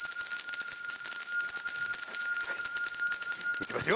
いきますよ。